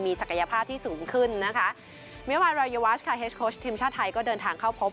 มีศักยภาพที่สูงขึ้นนะคะโดยก็เดินทางเข้าพบ